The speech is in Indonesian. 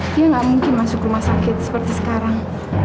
dia nggak mungkin masuk rumah sakit seperti sekarang